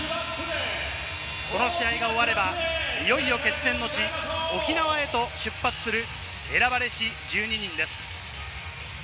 この試合が終われば、いよいよ決戦の地、沖縄へと出発する選ばれし１２人です。